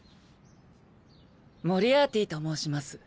モリアーティと申します。